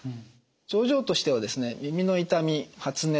症状としては耳の痛み発熱